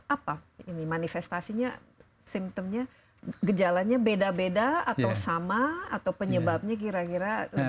apa ini manifestasinya simptomnya gejalanya beda beda atau sama atau penyebabnya kira kira lebih